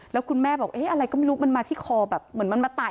แล้วคุณแม่บอกเอ๊ะอะไรก็ไม่รู้มันมาที่คอแบบเหมือนมันมาไต่